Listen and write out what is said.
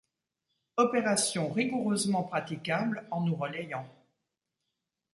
Opération rigoureusement praticable, en nous relayant.